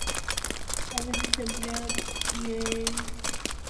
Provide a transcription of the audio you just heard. A veces se emplean vieiras en su lugar.